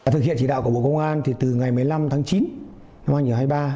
thực hiện chỉ đạo của bộ công an thì từ ngày một mươi năm tháng chín tháng hai mươi ba